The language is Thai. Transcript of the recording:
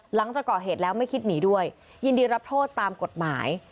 หลังจากก่อเหตุแล้วไม่คิดหนีด้วยยินดีรับโทษตามกฎหมาย